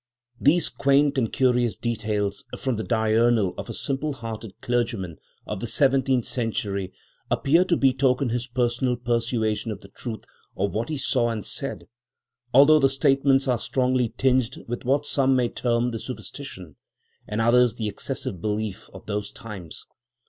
These quaint and curious details from the "diurnal" of a simple hearted clergyman of the seventeenth century appear to betoken his personal persuasion of the truth of what he saw and said, although the statements are strongly tinged with what some may term the superstition, and others the excessive belief, of those times.